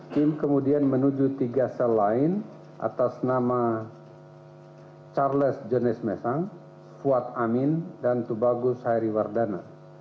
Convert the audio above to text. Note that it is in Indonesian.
tim kemudian menuju tiga sel lain atas nama charles jones mesang fuad amin dan tubagus hairiwardana